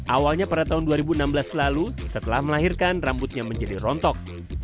awalnya pada tahun dua ribu enam belas lalu setelah melahirkan rambutnya menjadi rontok